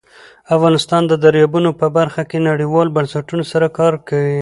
افغانستان د دریابونه په برخه کې نړیوالو بنسټونو سره کار کوي.